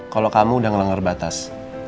kalau kamu udah ngelanggar batas